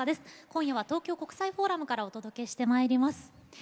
今夜は東京国際フォーラムからお届けします。